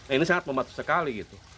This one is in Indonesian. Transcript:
ini sangat membantu sekali gitu